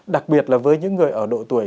đặc biệt là với những người ở độ tuổi